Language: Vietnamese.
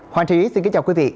hoàng trị xin kính chào quý vị